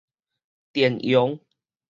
電容